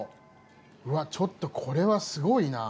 うわっちょっとこれはすごいな。